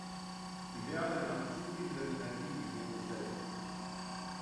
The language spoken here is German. Sie werden nach zunehmendem Energieniveau besetzt.